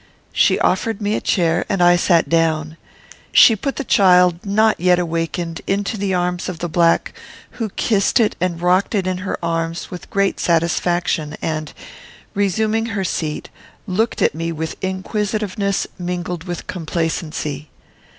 She offered me a chair, and I sat down. She put the child, not yet awakened, into the arms of the black, who kissed it and rocked it in her arms with great satisfaction, and, resuming her seat, looked at me with inquisitiveness mingled with complacency.